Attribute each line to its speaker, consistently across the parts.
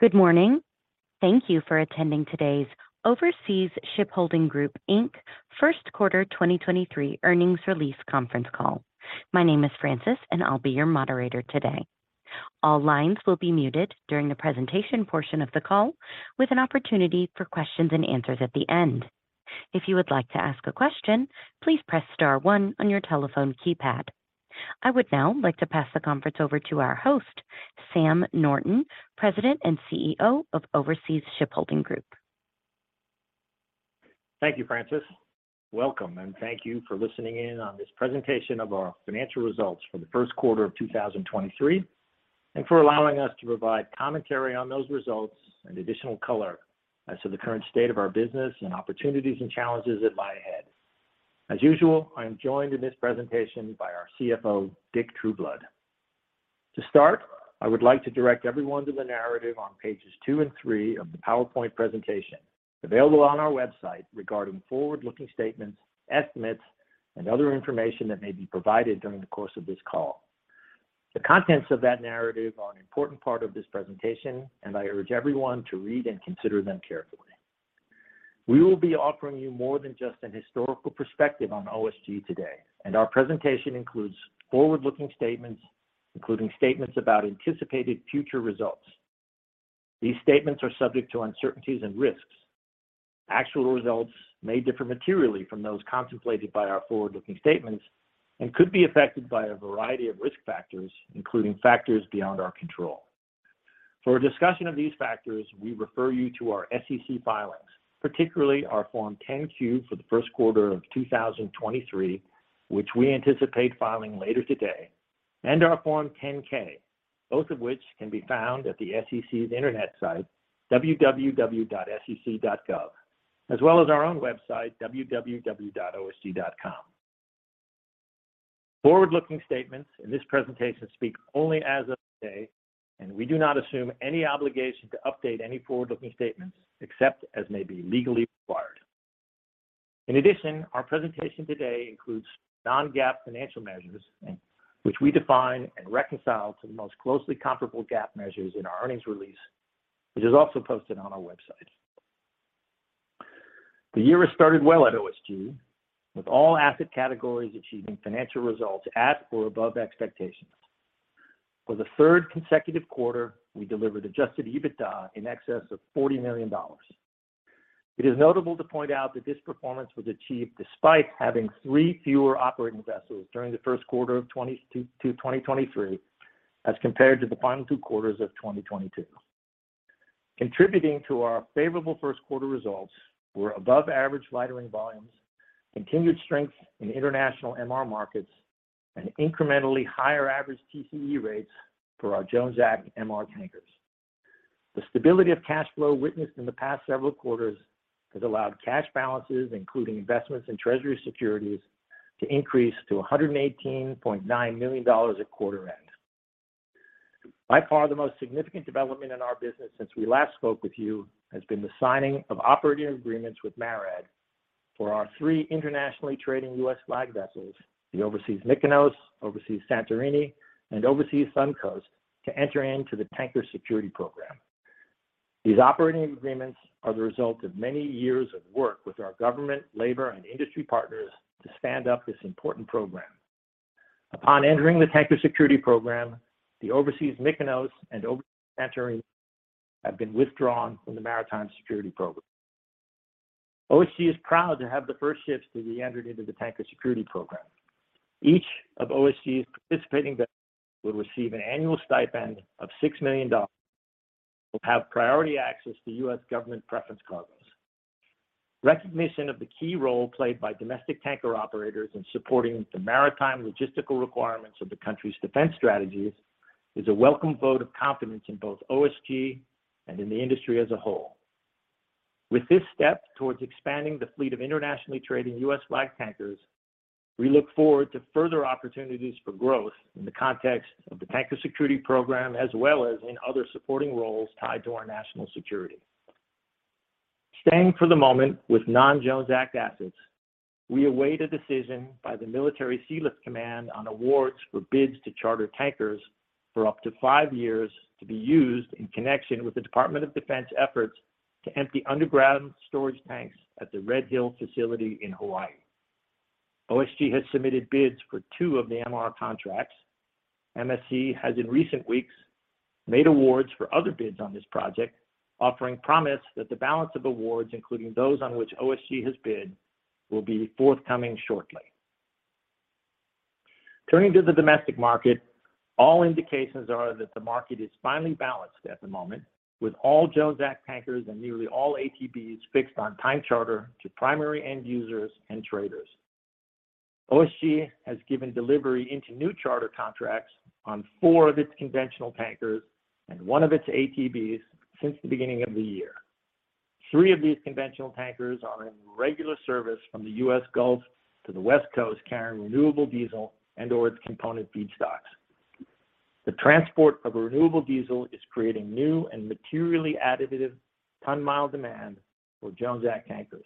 Speaker 1: Good morning. Thank you for attending today's Overseas Shipholding Group Inc. first quarter 2023 earnings release conference call. My name is Francis, and I'll be your moderator today. All lines will be muted during the presentation portion of the call with an opportunity for questions and answers at the end. If you would like to ask a question, please press star one on your telephone keypad. I would now like to pass the conference over to our host, Sam Norton, President and CEO of Overseas Shipholding Group.
Speaker 2: Thank you, Francis. Welcome, and thank you for listening in on this presentation of our financial results for the 1st quarter of 2023, and for allowing us to provide commentary on those results and additional color as to the current state of our business and opportunities and challenges that lie ahead. As usual, I am joined in this presentation by our CFO, Richard Trueblood. To start, I would like to direct everyone to the narrative on pages 2 and 3 of the PowerPoint presentation available on our website regarding forward-looking statements, estimates, and other information that may be provided during the course of this call. The contents of that narrative are an important part of this presentation, and I urge everyone to read and consider them carefully. We will be offering you more than just an historical perspective on OSG today. Our presentation includes forward-looking statements, including statements about anticipated future results. These statements are subject to uncertainties and risks. Actual results may differ materially from those contemplated by our forward-looking statements and could be affected by a variety of risk factors, including factors beyond our control. For a discussion of these factors, we refer you to our SEC filings, particularly our Form 10-Q for the first quarter of 2023, which we anticipate filing later today, and our Form 10-K, both of which can be found at the SEC's Internet site, www.sec.gov, as well as our own website, www.osg.com. Forward-looking statements in this presentation speak only as of today. We do not assume any obligation to update any forward-looking statements except as may be legally required. In addition, our presentation today includes non-GAAP financial measures, which we define and reconcile to the most closely comparable GAAP measures in our earnings release, which is also posted on our website. The year has started well at OSG, with all asset categories achieving financial results at or above expectations. For the third consecutive quarter, we delivered Adjusted EBITDA in excess of $40 million. It is notable to point out that this performance was achieved despite having three fewer operating vessels during the first quarter of 2022 to 2023, as compared to the final two quarters of 2022. Contributing to our favorable first quarter results were above-average lightering volumes, continued strength in international MR markets, and incrementally higher average TCE rates for our Jones Act MR tankers. The stability of cash flow witnessed in the past several quarters has allowed cash balances, including investments in Treasury securities, to increase to $118.9 million at quarter end. By far the most significant development in our business since we last spoke with you has been the signing of operating agreements with MARAD for our three internationally trading U.S. flag vessels, the Overseas Mykonos, Overseas Santorini, and Overseas Sun Coast, to enter into the Tanker Security Program. These operating agreements are the result of many years of work with our government, labor, and industry partners to stand up this important program. Upon entering the Tanker Security Program, the Overseas Mykonos and Overseas Santorini have been withdrawn from the Maritime Security Program. OSG is proud to have the first ships to be entered into the Tanker Security Program. Each of OSG's participating vessels will receive an annual stipend of $6 million and will have priority access to U.S. government preference cargoes. Recognition of the key role played by domestic tanker operators in supporting the maritime logistical requirements of the country's defense strategies is a welcome vote of confidence in both OSG and in the industry as a whole. With this step towards expanding the fleet of internationally trading U.S. flag tankers, we look forward to further opportunities for growth in the context of the Tanker Security Program, as well as in other supporting roles tied to our national security. Staying for the moment with non-Jones Act assets, we await a decision by the Military Sealift Command on awards for bids to charter tankers for up to 5 years to be used in connection with the Department of Defense efforts to empty underground storage tanks at the Red Hill facility in Hawaii. OSG has submitted bids for 2 of the MR contracts. MSC has in recent weeks made awards for other bids on this project, offering promise that the balance of awards, including those on which OSG has bid, will be forthcoming shortly. Turning to the domestic market, all indications are that the market is finally balanced at the moment, with all Jones Act tankers and nearly all ATBs fixed on time charter to primary end users and traders. OSG has given delivery into new charter contracts on 4 of its conventional tankers and 1 of its ATBs since the beginning of the year. 3 of these conventional tankers are in regular service from the U.S. Gulf to the West Coast carrying renewable diesel and/or its component feedstocks. The transport of renewable diesel is creating new and materially additive ton-mile demand for Jones Act tankers.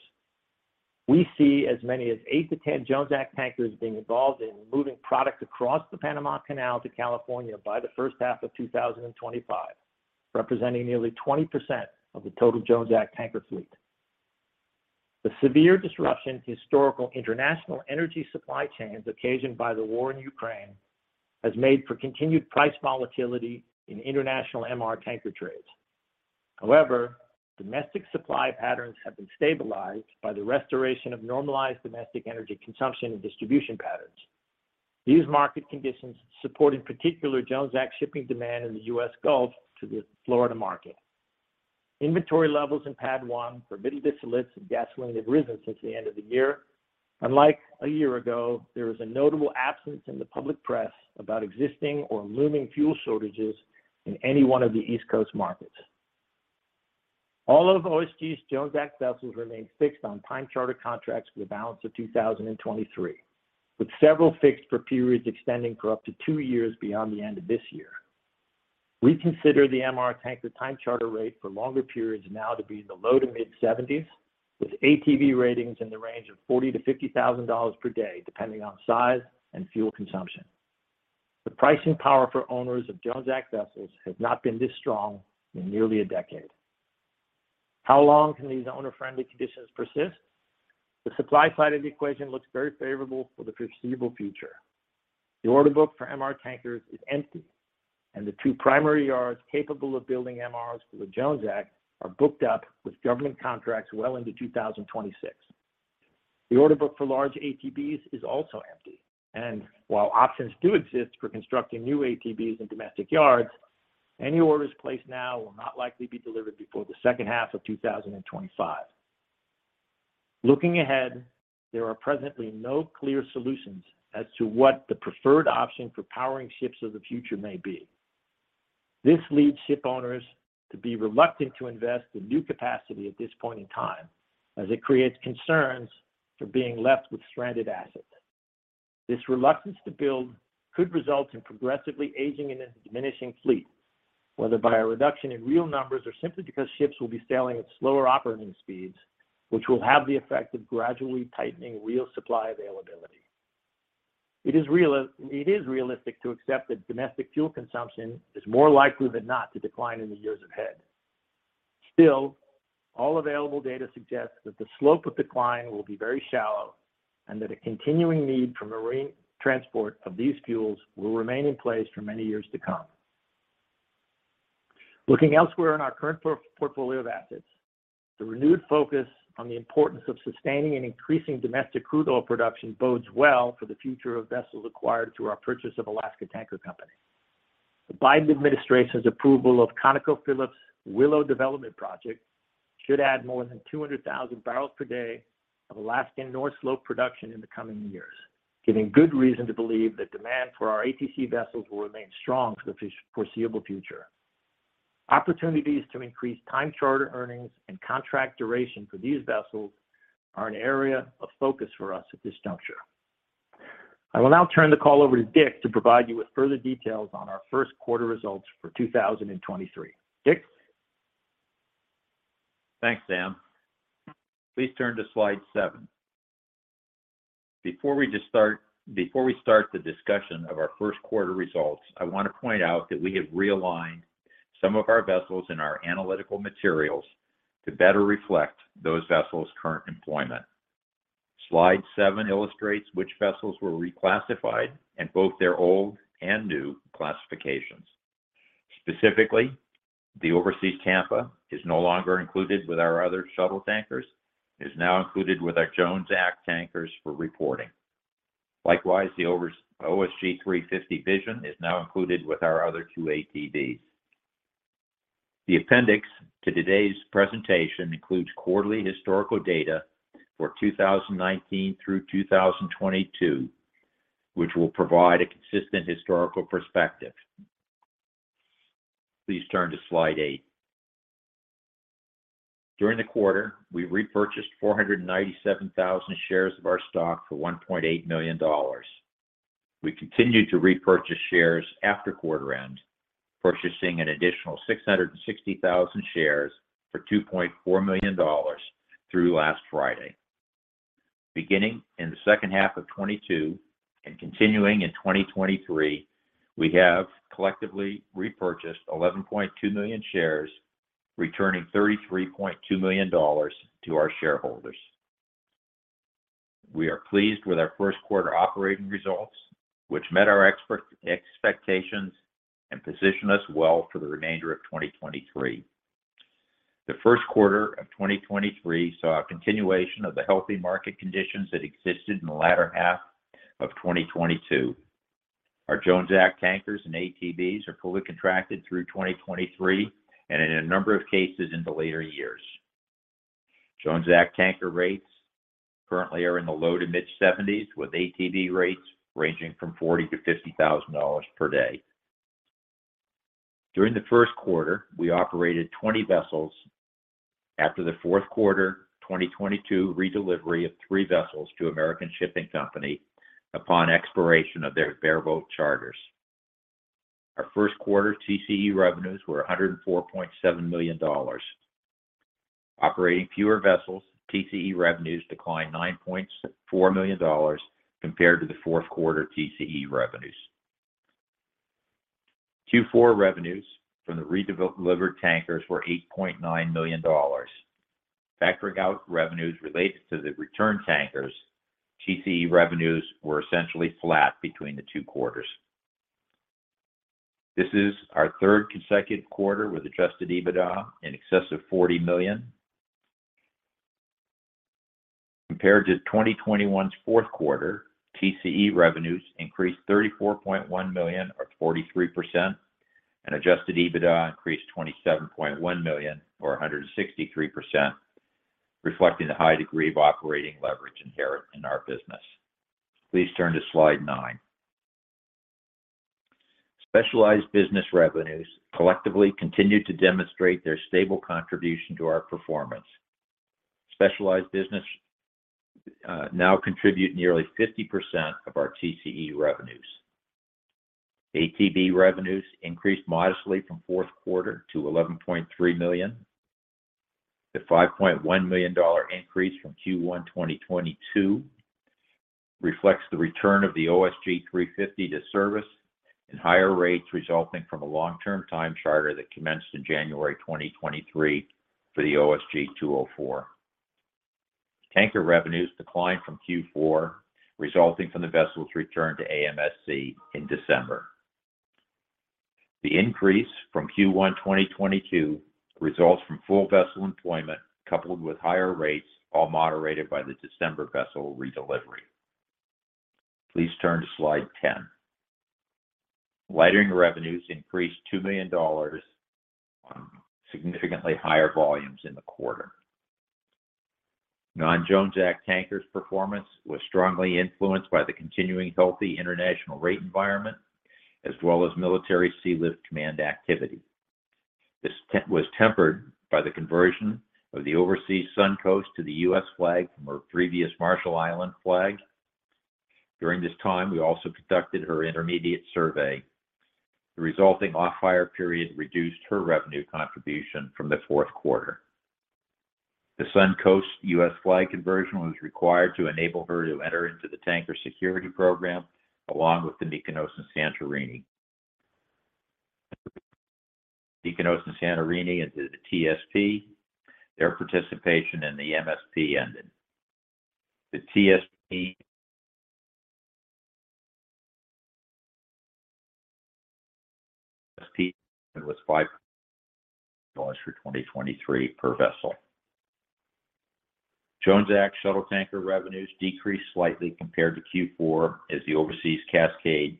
Speaker 2: We see as many as 8-10 Jones Act tankers being involved in moving product across the Panama Canal to California by the first half of 2025, representing nearly 20% of the total Jones Act tanker fleet. The severe disruption to historical international energy supply chains occasioned by the war in Ukraine has made for continued price volatility in international MR tanker trades. However, domestic supply patterns have been stabilized by the restoration of normalized domestic energy consumption and distribution patterns. These market conditions support, in particular, Jones Act shipping demand in the US Gulf to the Florida market. Inventory levels in PADD1 for middle distillates and gasoline have risen since the end of the year. Unlike a year ago, there is a notable absence in the public press about existing or looming fuel shortages in any one of the East Coast markets. All of OSG's Jones Act vessels remain fixed on time charter contracts for the balance of 2023, with several fixed for periods extending for up to two years beyond the end of this year. We consider the MR tanker time charter rate for longer periods now to be in the low to mid-$70,000, with ATB ratings in the range of $40,000-$50,000 per day, depending on size and fuel consumption. The pricing power for owners of Jones Act vessels has not been this strong in nearly a decade. How long can these owner-friendly conditions persist? The supply side of the equation looks very favorable for the foreseeable future. The order book for MR tankers is empty, and the 2 primary yards capable of building MRs for the Jones Act are booked up with government contracts well into 2026. The order book for large ATBs is also empty. While options do exist for constructing new ATBs in domestic yards, any orders placed now will not likely be delivered before the second half of 2025. Looking ahead, there are presently no clear solutions as to what the preferred option for powering ships of the future may be. This leads ship owners to be reluctant to invest in new capacity at this point in time as it creates concerns for being left with stranded assets. This reluctance to build could result in progressively aging and a diminishing fleet, whether by a reduction in real numbers or simply because ships will be sailing at slower operating speeds, which will have the effect of gradually tightening real supply availability. It is realistic to accept that domestic fuel consumption is more likely than not to decline in the years ahead. All available data suggests that the slope of decline will be very shallow and that a continuing need for marine transport of these fuels will remain in place for many years to come. Looking elsewhere in our current portfolio of assets, the renewed focus on the importance of sustaining and increasing domestic crude oil production bodes well for the future of vessels acquired through our purchase of Alaska Tanker Company. The Biden administration's approval of ConocoPhillips' Willow Development Project should add more than 200,000 barrels per day of Alaskan North Slope production in the coming years, giving good reason to believe that demand for our ATC vessels will remain strong for the foreseeable future. Opportunities to increase time charter earnings and contract duration for these vessels are an area of focus for us at this juncture. I will now turn the call over to Richard to provide you with further details on our first quarter results for 2023. Richard?
Speaker 3: Thanks, Sam. Please turn to slide 7. Before we start the discussion of our first quarter results, I want to point out that we have realigned some of our vessels in our analytical materials to better reflect those vessels' current employment. Slide 7 illustrates which vessels were reclassified and both their old and new classifications. Specifically, the Overseas Tampa is no longer included with our other shuttle tankers. It is now included with our Jones Act tankers for reporting. Likewise, the OSG 350 Vision is now included with our other two ATBs. The appendix to today's presentation includes quarterly historical data for 2019 through 2022, which will provide a consistent historical perspective. Please turn to slide 8. During the quarter, we repurchased 497,000 shares of our stock for $1.8 million. We continued to repurchase shares after quarter end, purchasing an additional 660,000 shares for $2.4 million through last Friday. Beginning in the second half of 2022 and continuing in 2023, we have collectively repurchased 11.2 million shares, returning $33.2 million to our shareholders. We are pleased with our first quarter operating results, which met our expectations and position us well for the remainder of 2023. The first quarter of 2023 saw a continuation of the healthy market conditions that existed in the latter half of 2022. Our Jones Act tankers and ATBs are fully contracted through 2023 and in a number of cases into later years. Jones Act tanker rates currently are in the low to mid-seventies, with ATB rates ranging from $40,000-$50,000 per day. During the first quarter, we operated 20 vessels after the fourth quarter 2022 redelivery of 3 vessels to American Shipping Company upon expiration of their bareboat charters. Our first quarter TCE revenues were $104.7 million. Operating fewer vessels, TCE revenues declined $9.4 million compared to the fourth quarter TCE revenues. Q4 revenues from the redeveloped delivered tankers were $8.9 million. Factoring out revenues related to the return tankers, TCE revenues were essentially flat between the two quarters. This is our third consecutive quarter with Adjusted EBITDA in excess of $40 million. Compared to 2021's fourth quarter, TCE revenues increased $34.1 million or 43%, and Adjusted EBITDA increased $27.1 million or 163%, reflecting the high degree of operating leverage inherent in our business. Please turn to slide 9. Specialized business revenues collectively continued to demonstrate their stable contribution to our performance. Specialized business now contribute nearly 50% of our TCE revenues. ATB revenues increased modestly from fourth quarter to $11.3 million. The $5.1 million increase from Q1 2022 reflects the return of the OSG 350 to service and higher rates resulting from a long-term time charter that commenced in January 2023 for the OSG 204. Tanker revenues declined from Q4, resulting from the vessel's return to AMSC in December. The increase from Q1 2022 results from full vessel employment coupled with higher rates, all moderated by the December vessel redelivery. Please turn to slide 10. Lightering revenues increased $2 million on significantly higher volumes in the quarter. Non-Jones Act tankers performance was strongly influenced by the continuing healthy international rate environment as well as Military Sealift Command activity. This was tempered by the conversion of the Overseas Sun Coast to the U.S. flag from her previous Marshall Islands flag. During this time, we also conducted her intermediate survey. The resulting off-hire period reduced her revenue contribution from the fourth quarter. The Sun Coast U.S. flag conversion was required to enable her to enter into the Tanker Security Program along with the Mykonos and Santorini. Mykonos and Santorini into the TSP, their participation in the MSP ended. The TSP was $5 for 2023 per vessel. Jones Act shuttle tanker revenues decreased slightly compared to Q4 as the Overseas Cascade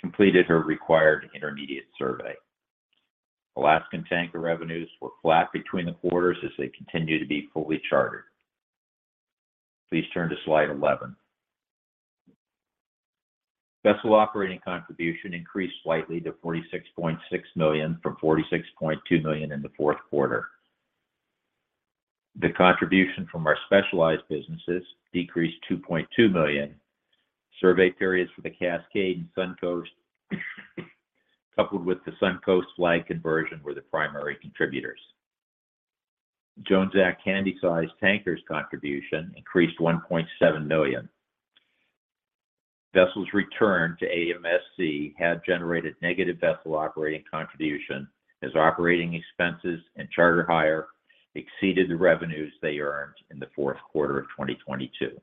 Speaker 3: completed her required intermediate survey. Alaskan tanker revenues were flat between the quarters as they continue to be fully chartered. Please turn to slide 11. Vessel operating contribution increased slightly to $46.6 million from $46.2 million in the fourth quarter. The contribution from our specialized businesses decreased $2.2 million. Survey periods for the Cascade and Sun Coast, coupled with the Sun Coast flag conversion, were the primary contributors. Jones Act Handysize tankers contribution increased $1.7 million. Vessels returned to AMSC had generated negative vessel operating contribution as operating expenses and charter hire exceeded the revenues they earned in the fourth quarter of 2022.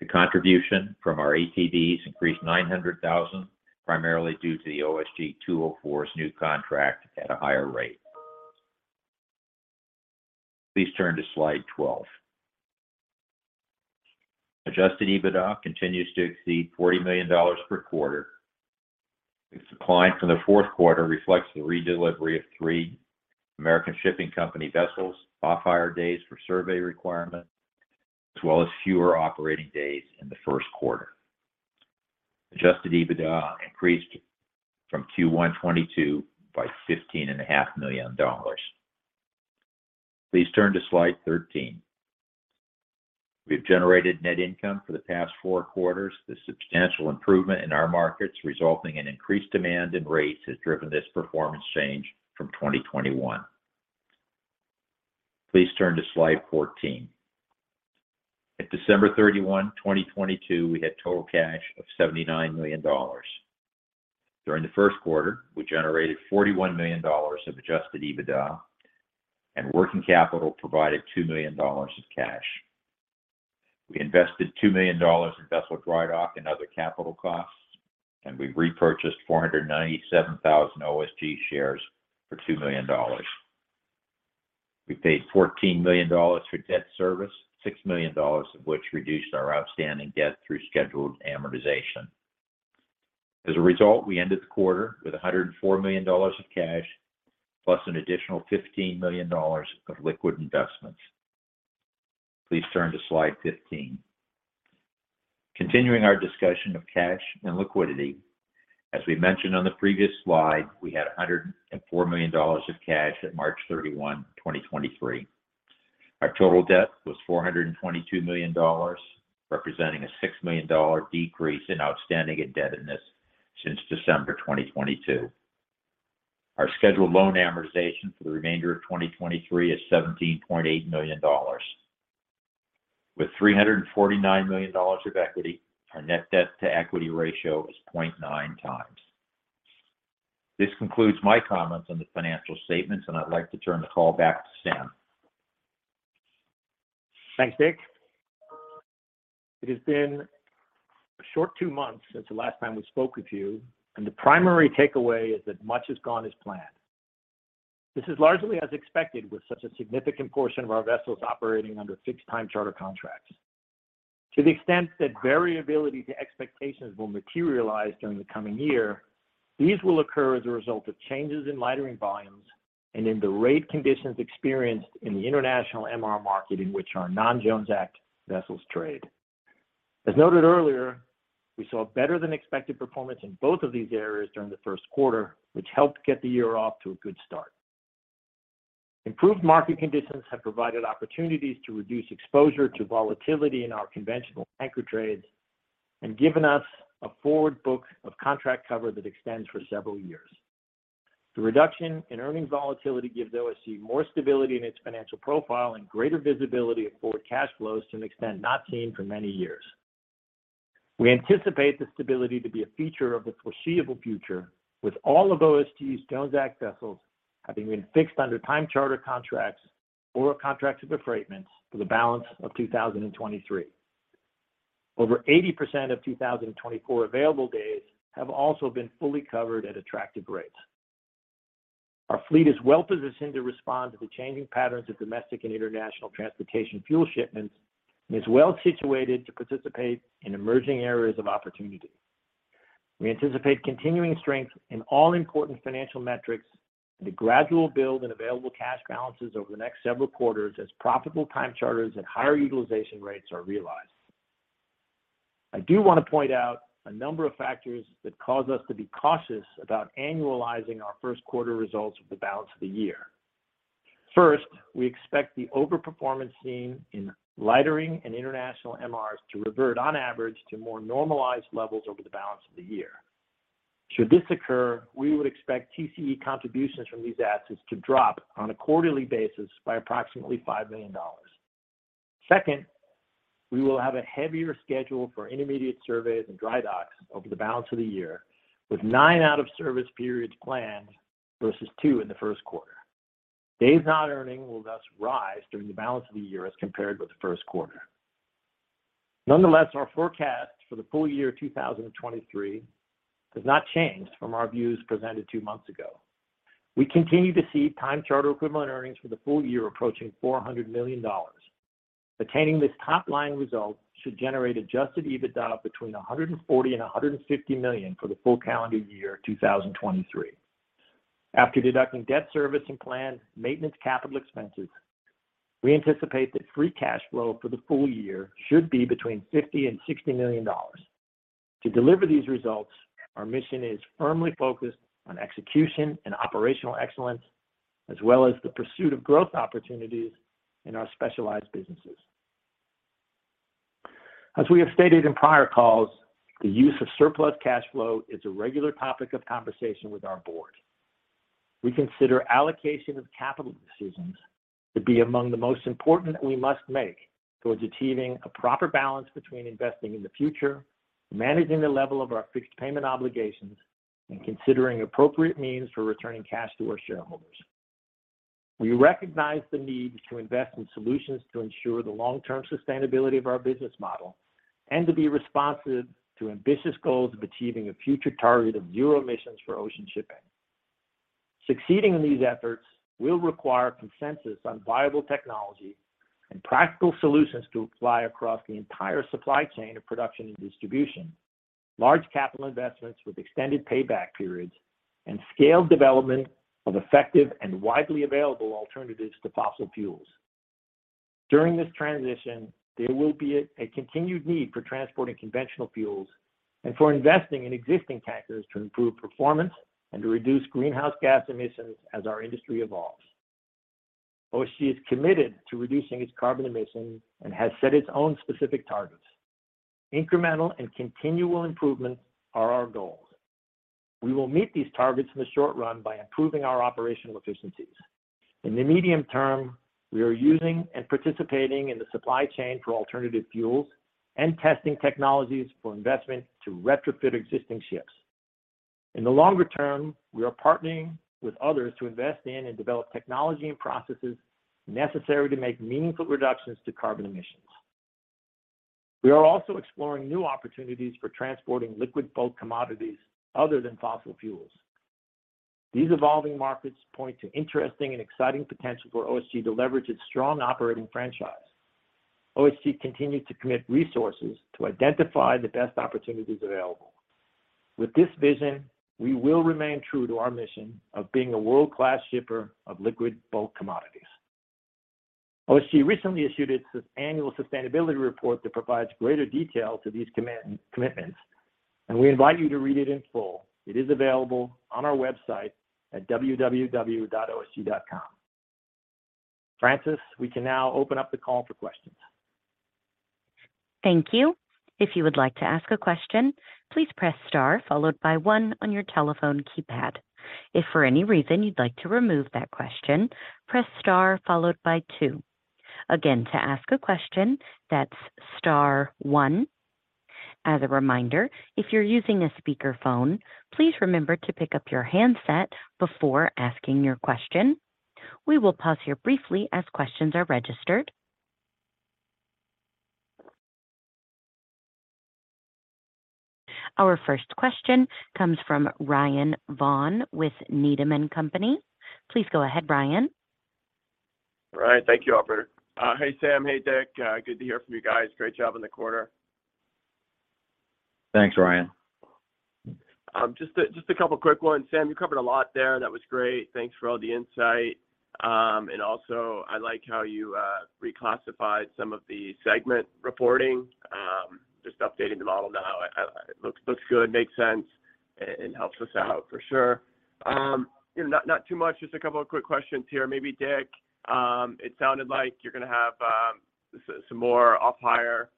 Speaker 3: The contribution from our ATBs increased $900,000, primarily due to the OSG 204's new contract at a higher rate. Please turn to slide 12. Adjusted EBITDA continues to exceed $40 million per quarter. Its decline from the fourth quarter reflects the redelivery of three American Shipping Company vessels, off-hire days for survey requirements, as well as fewer operating days in the first quarter. Adjusted EBITDA increased from Q1 2022 by fifteen and a half million dollars. Please turn to slide 13. We've generated net income for the past four quarters. The substantial improvement in our markets resulting in increased demand and rates has driven this performance change from 2021. Please turn to slide 14. At December 31, 2022, we had total cash of $79 million. During the first quarter, we generated $41 million of Adjusted EBITDA, Working capital provided $2 million of cash. We invested $2 million in vessel drydock and other capital costs, We repurchased 497,000 OSG shares for $2 million. We paid $14 million for debt service, $6 million of which reduced our outstanding debt through scheduled amortization. As a result, we ended the quarter with $104 million of cash, plus an additional $15 million of liquid investments. Please turn to slide 15. Continuing our discussion of cash and liquidity, as we mentioned on the previous slide, we had $104 million of cash at March 31, 2023. Our total debt was $422 million, representing a $6 million decrease in outstanding indebtedness since December 2022. Our scheduled loan amortization for the remainder of 2023 is $17.8 million. With $349 million of equity, our net debt-to-equity ratio is 0.9 times. This concludes my comments on the financial statements, I'd like to turn the call back to Sam.
Speaker 2: Thanks, Richard. It has been a short two months since the last time we spoke with you, and the primary takeaway is that much has gone as planned. This is largely as expected with such a significant portion of our vessels operating under fixed time charter contracts. To the extent that variability to expectations will materialize during the coming year, these will occur as a result of changes in lightering volumes and in the rate conditions experienced in the international MR market in which our non-Jones Act vessels trade. As noted earlier, we saw better than expected performance in both of these areas during the first quarter, which helped get the year off to a good start. Improved market conditions have provided opportunities to reduce exposure to volatility in our conventional anchor trades and given us a forward book of contract cover that extends for several years. The reduction in earnings volatility gives OSG more stability in its financial profile and greater visibility of forward cash flows to an extent not seen for many years. We anticipate this stability to be a feature of the foreseeable future, with all of OSG's Jones Act vessels having been fixed under time charter contracts or contracts of affreightment for the balance of 2023. Over 80% of 2024 available days have also been fully covered at attractive rates. Our fleet is well-positioned to respond to the changing patterns of domestic and international transportation fuel shipments and is well-situated to participate in emerging areas of opportunity. We anticipate continuing strength in all important financial metrics and a gradual build in available cash balances over the next several quarters as profitable time charters and higher utilization rates are realized. I do want to point out a number of factors that cause us to be cautious about annualizing our first quarter results with the balance of the year. First, we expect the overperformance seen in lightering and international MRs to revert on average to more normalized levels over the balance of the year. Should this occur, we would expect TCE contributions from these assets to drop on a quarterly basis by approximately $5 million. Second, we will have a heavier schedule for intermediate surveys and dry docks over the balance of the year, with nine out of service periods planned versus two in the first quarter. Days not earning will thus rise during the balance of the year as compared with the first quarter. Nonetheless, our forecast for the full year 2023 has not changed from our views presented two months ago. We continue to see time charter equivalent earnings for the full year approaching $400 million. Attaining this top-line result should generate Adjusted EBITDA of between $140 million and $150 million for the full calendar year 2023. After deducting debt service and planned maintenance capital expenses, we anticipate that free cash flow for the full year should be between $50 million and $60 million. To deliver these results, our mission is firmly focused on execution and operational excellence, as well as the pursuit of growth opportunities in our specialized businesses. As we have stated in prior calls, the use of surplus cash flow is a regular topic of conversation with our board. We consider allocation of capital decisions to be among the most important we must make towards achieving a proper balance between investing in the future, managing the level of our fixed payment obligations, and considering appropriate means for returning cash to our shareholders. We recognize the need to invest in solutions to ensure the long-term sustainability of our business model and to be responsive to ambitious goals of achieving a future target of zero emissions for ocean shipping. Succeeding in these efforts will require consensus on viable technology and practical solutions to apply across the entire supply chain of production and distribution, large capital investments with extended payback periods, and scaled development of effective and widely available alternatives to fossil fuels. During this transition, there will be a continued need for transporting conventional fuels and for investing in existing tankers to improve performance and to reduce greenhouse gas emissions as our industry evolves. OSG is committed to reducing its carbon emissions and has set its own specific targets. Incremental and continual improvement are our goals. We will meet these targets in the short run by improving our operational efficiencies. In the medium term, we are using and participating in the supply chain for alternative fuels and testing technologies for investment to retrofit existing ships. In the longer term, we are partnering with others to invest in and develop technology and processes necessary to make meaningful reductions to carbon emissions. We are also exploring new opportunities for transporting liquid bulk commodities other than fossil fuels. These evolving markets point to interesting and exciting potential for OSG to leverage its strong operating franchise. OSG continues to commit resources to identify the best opportunities available. With this vision, we will remain true to our mission of being a world-class shipper of liquid bulk commodities. OSG recently issued its annual sustainability report that provides greater detail to these commitments. We invite you to read it in full. It is available on our website at www.osg.com. Francis, we can now open up the call for questions.
Speaker 1: Thank you. If you would like to ask a question, please press Star followed by one on your telephone keypad. If for any reason you'd like to remove that question, press Star followed by two. Again, to ask a question, that's Star one. As a reminder, if you're using a speakerphone, please remember to pick up your handset before asking your question. We will pause here briefly as questions are registered. Our first question comes from Ryan Vaughan with Needham and Company. Please go ahead, Ryan.
Speaker 4: Thank you, operator. Hey, Sam. Hey, Richard. Good to hear from you guys. Great job in the quarter.
Speaker 2: Thanks, Ryan.
Speaker 4: Just a couple of quick ones. Sam, you covered a lot there. That was great. Thanks for all the insight. Also I like how you reclassified some of the segment reporting. Just updating the model now. It looks good, makes sense, and helps us out for sure. Not too much, just a couple of quick questions here. Maybe Richard, it sounded like you're gonna have some more off hire,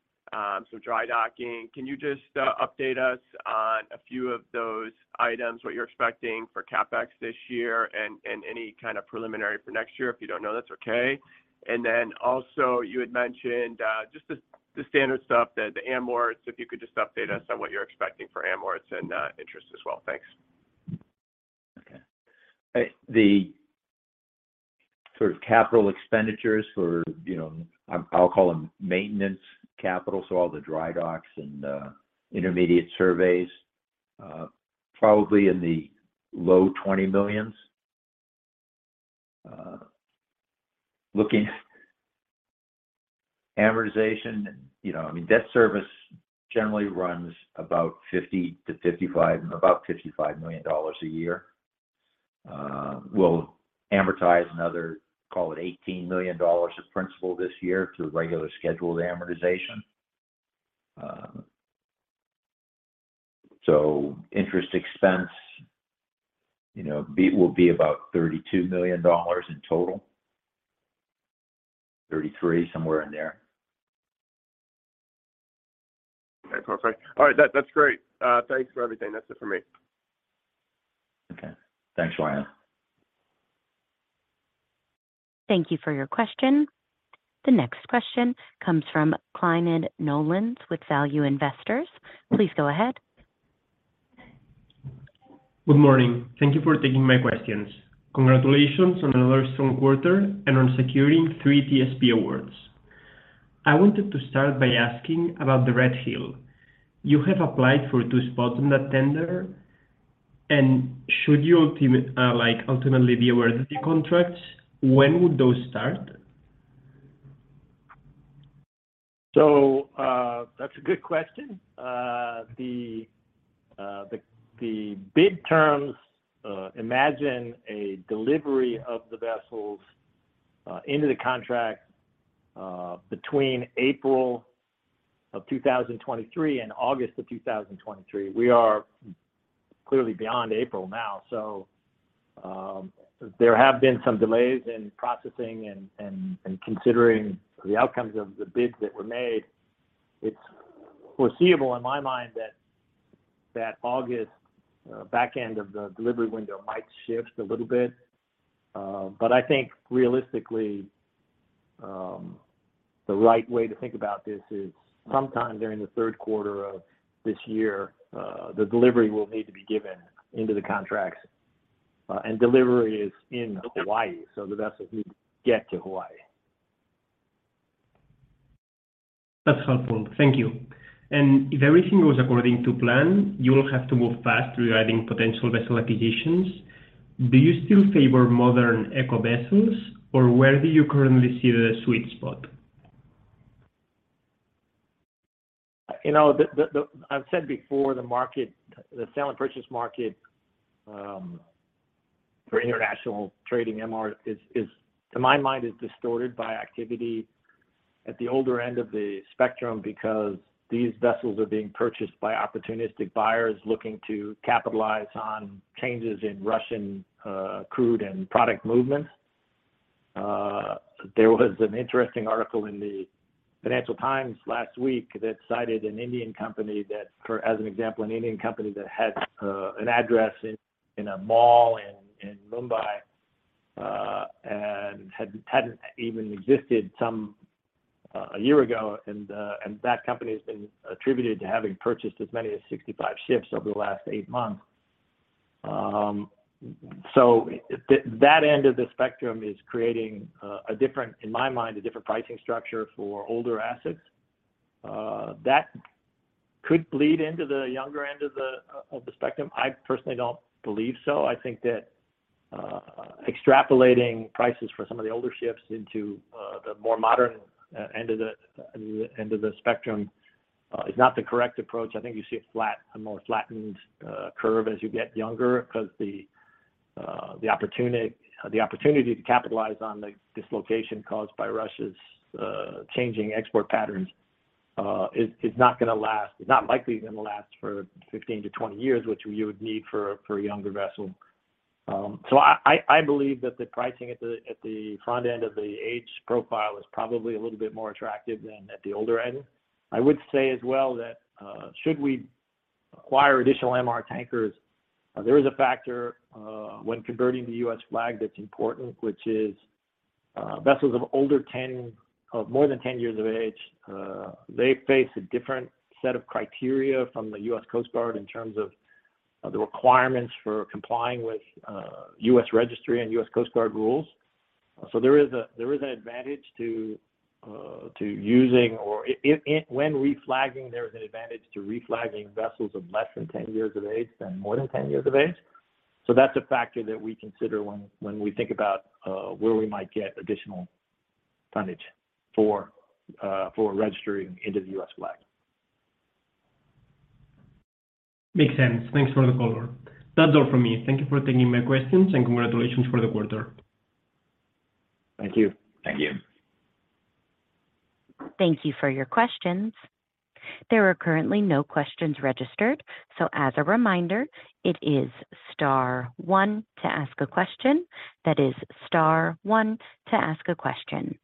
Speaker 4: some dry docking. Can you just update us on a few of those items, what you're expecting for CapEx this year and any kind of preliminary for next year? If you don't know, that's okay. Also you had mentioned just the standard stuff that the amort. If you could just update us on what you're expecting for amort and interest as well. Thanks.
Speaker 3: The sort of capital expenditures for, you know, I'll call them maintenance capital, so all the dry docks and intermediate surveys, probably in the low $20 million. Looking amortization, you know, I mean, debt service generally runs about $55 million a year. We'll amortize another, call it $18 million of principal this year to regular scheduled amortization. Interest expense, you know, will be about $32 million in total. $33 million, somewhere in there. Okay, perfect. All right, that's great. Thanks for everything. That's it for me.
Speaker 2: Okay. Thanks, Ryan.
Speaker 1: Thank you for your question. The next question comes from Climent Molins with Value Investors. Please go ahead.
Speaker 5: Good morning. Thank you for taking my questions. Congratulations on another strong quarter and on securing 3 TSP awards. I wanted to start by asking about the Red Hill. You have applied for 2 spots in that tender, and should you like, ultimately be awarded the contracts, when would those start?
Speaker 2: That's a good question. The bid terms imagine a delivery of the vessels into the contract between April of 2023 and August of 2023. We are clearly beyond April now, there have been some delays in processing and considering the outcomes of the bids that were made. It's foreseeable in my mind that that August back end of the delivery window might shift a little bit. I think realistically, the right way to think about this is sometime during the third quarter of this year, the delivery will need to be given into the contracts, and delivery is in Hawaii, the vessels need to get to Hawaii.
Speaker 5: That's helpful. Thank you. If everything goes according to plan, you'll have to move fast regarding potential vessel acquisitions. Do you still favor modern eco vessels or where do you currently see the sweet spot?
Speaker 2: You know, I've said before, the market, the sale and purchase market, for international trading MR is to my mind is distorted by activity at the older end of the spectrum because these vessels are being purchased by opportunistic buyers looking to capitalize on changes in Russian crude and product movements. There was an interesting article in the Financial Times last week that cited an Indian company as an example, an Indian company that had an address in a mall in Mumbai, and hadn't even existed some a year ago. That company has been attributed to having purchased as many as 65 ships over the last 8 months. That end of the spectrum is creating a different, in my mind, a different pricing structure for older assets. That could bleed into the younger end of the spectrum. I personally don't believe so. I think that extrapolating prices for some of the older ships into the more modern end of the spectrum is not the correct approach. I think you see a more flattened curve as you get younger because the opportunity to capitalize on the dislocation caused by Russia's changing export patterns is not gonna last. It's not likely gonna last for 15 to 20 years, which you would need for a younger vessel. I believe that the pricing at the front end of the age profile is probably a little bit more attractive than at the older end. I would say as well that, should we acquire additional MR tankers, there is a factor, when converting to U.S. flag that's important, which is, vessels of older of more than 10 years of age, they face a different set of criteria from the U.S. Coast Guard in terms of the requirements for complying with, U.S. registry and U.S. Coast Guard rules. There is an advantage to using or when reflagging, there is an advantage to reflagging vessels of less than 10 years of age than more than 10 years of age. That's a factor that we consider when we think about, where we might get additional tonnage for registering into the U.S. flag.
Speaker 5: Makes sense. Thanks for the color. That's all from me. Thank you for taking my questions, and congratulations for the quarter.
Speaker 2: Thank you. Thank you.
Speaker 1: Thank you for your questions. There are currently no questions registered, so as a reminder, it is star one to ask a question. That is star one to ask a question.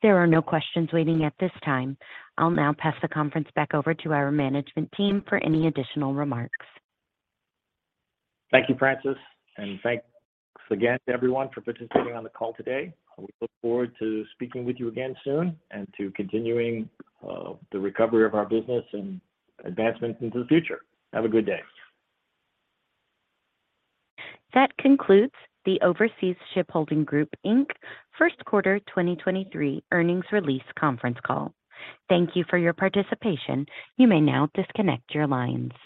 Speaker 1: There are no questions waiting at this time. I'll now pass the conference back over to our management team for any additional remarks.
Speaker 2: Thank you, Francis. Thanks again to everyone for participating on the call today. We look forward to speaking with you again soon and to continuing the recovery of our business and advancement into the future. Have a good day.
Speaker 1: That concludes the Overseas Shipholding Group Inc. First Quarter 2023 earnings release conference call. Thank you for your participation. You may now disconnect your lines.